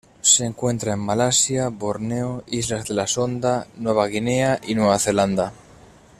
Se encuentra en Malasia, Borneo, islas de la Sonda, Nueva Guinea y Nueva Zelanda.